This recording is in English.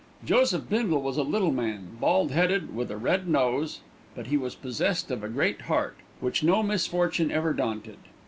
Joseph Bindle was a little man, bald headed, with a red nose, but he was possessed of a great heart, which no misfortune ever daunted.